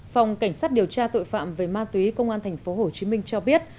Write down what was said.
phòng cảnh sát điều tra tội phạm về ma túy công an tp hcm cho biết